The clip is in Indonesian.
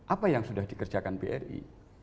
apa yang sudah dikerjakan bri